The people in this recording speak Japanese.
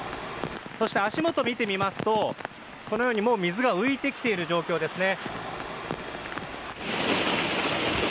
そして、足元を見てみますとこのように水が浮いてきている状況ですね。